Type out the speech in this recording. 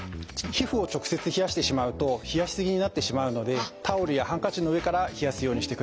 皮膚を直接冷やしてしまうと冷やし過ぎになってしまうのでタオルやハンカチの上から冷やすようにしてください。